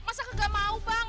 masa ke gak mau bang